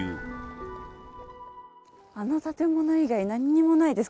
あの建物以外何もないです